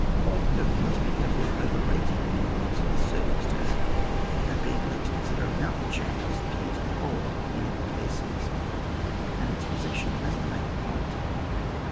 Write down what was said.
But we must be careful of overrating the importance of this circumstance, and being led to con sider a mountain chain as the key to the whole in all cases, and its possession as the main point.